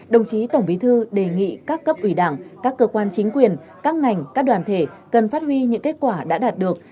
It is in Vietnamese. đồng chí tổng bí thư đề nghị các cấp ủy đảng các cơ quan chính quyền các ngành các đoàn thể cần phát huy những kết quả đã đạt được